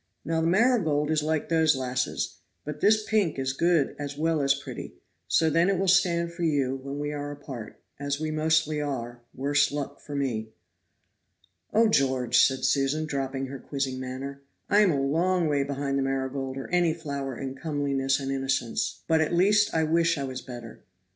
Now the marigold is like those lasses; but this pink is good as well as pretty, so then it will stand for you, when we are apart, as we mostly are worse luck for me." "Oh, George," said Susan, dropping her quizzing manner, "I am a long way behind the marigold or any flower in comeliness and innocence, but at least I wish I was better."